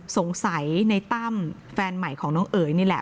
สงสัยในตั้มแฟนใหม่ของน้องเอ๋ยนี่แหละ